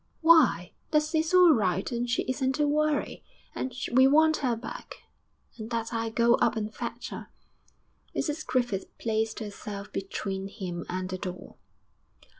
'Why that it's all right and she isn't to worry; and we want her back, and that I'll go up and fetch her.' Mrs Griffith placed herself between him and the door.